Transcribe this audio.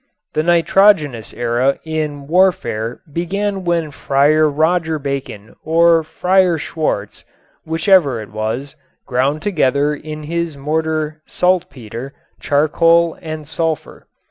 The nitrogenous era in warfare began when Friar Roger Bacon or Friar Schwartz whichever it was ground together in his mortar saltpeter, charcoal and sulfur.